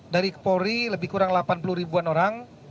dari polri lebih kurang delapan puluh ribuan orang